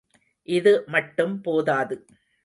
இது மட்டும் போதாது.